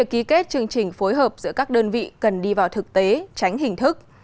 các chương trình phối hợp giữa các đơn vị cần đi vào thực tế tránh hình thức